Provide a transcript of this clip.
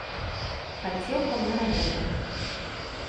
Хацеў, каб на работу.